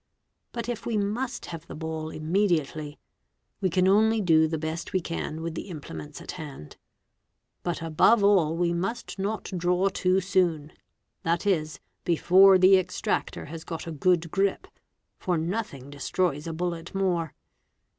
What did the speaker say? But if we must have the ball immediately, we can only do the best we can with the implements at hand; but above all we must not draw too soon, that is, before the extractor has got a good grip, for nothing destroys a bullet more.